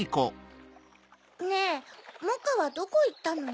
ねぇモカはどこいったの？